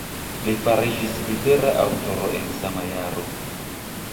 Li fariĝis libera aŭtoro en sama jaro.